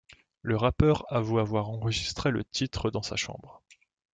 Le rappeur avoue avoir enregistré le titre dans sa chambre.